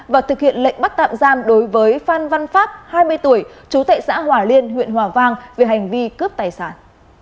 và thực hiện lệnh bắt tạm giam đối với phan văn pháp hai mươi tuổi chú tệ xã hòa liên huyện hòa vang về hành vi cướp tài sản